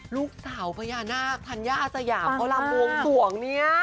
ลูกสาวพญานาคธัญญาอาสยามเขารำบวงสวงเนี่ย